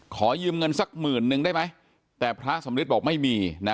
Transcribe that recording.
ขอยืมเงินสักหมื่นนึงได้ไหมแต่พระสำริทบอกไม่มีนะ